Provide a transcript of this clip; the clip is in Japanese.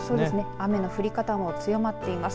雨の降り方も強まっています。